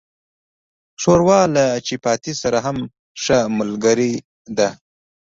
ښوروا له چپاتي سره هم ښه ملګری ده.